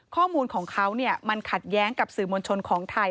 ข้อมูลของเขามันขัดแย้งกับสื่อมวลชนของไทย